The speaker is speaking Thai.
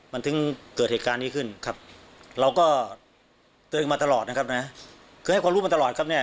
มันถึงเกิดเหตุการณ์ที่ขึ้นครับเราก็เจออีกมาตลอดนะครับนะ